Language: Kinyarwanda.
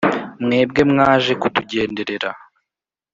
mwebwe mwaje kutugenderera.